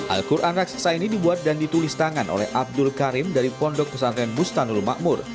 al quran raksasa ini dibuat dan ditulis tangan oleh abdul karim dari pondok pesantren bustanul makmur